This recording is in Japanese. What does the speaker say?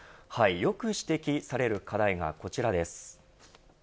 よく指摘される課題がこちらです。